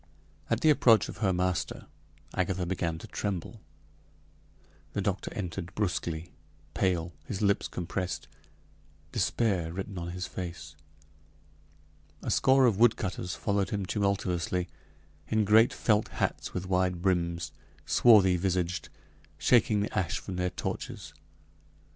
At the approach of her master, Agatha began to tremble. The doctor entered brusquely, pale, his lips compressed, despair written on his face. A score of woodcutters followed him tumultuously, in great felt hats with wide brims swarthy visaged shaking the ash from their torches.